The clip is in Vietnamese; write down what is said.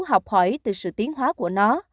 học hỏi từ sự tiến hóa của nó